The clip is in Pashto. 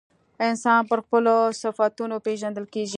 انسان پر خپلو صفتونو پیژندل کیږي.